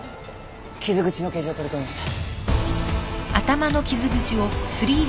傷口の形状取り込みます。